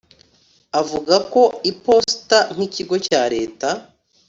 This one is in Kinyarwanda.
Avuga ko iposita nk’ ikigo cya Leta